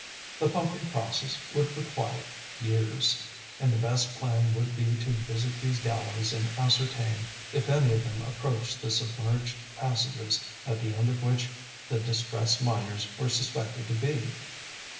The pumping process would require years, and the best plan would be to visit these galleries and ascertain if any of them approached the submerged passages at the end of which the distressed miners were suspected to be.